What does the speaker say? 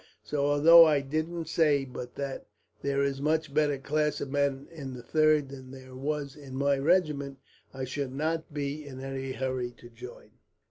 So although I don't say but that there is a much better class of men in the 3rd than there was in my regiment, I should not be in any hurry to join.